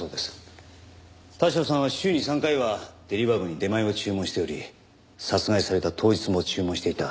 田代さんは週に３回はデリバー部に出前を注文しており殺害された当日も注文していた。